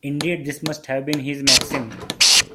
Indeed this must have been his maxim.